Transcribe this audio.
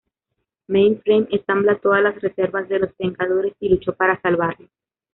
Mainframe ensambla todas las reservas de los Vengadores y luchó para salvarlo.